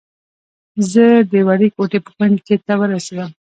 زه د وړې کوټې بر کونج ته ورسېدم.